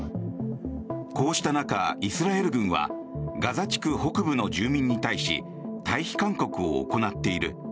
こうした中、イスラエル軍はガザ地区北部の住民に対し退避勧告を行っている。